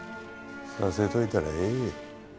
させといたらええ。